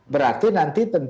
berarti nanti tersangka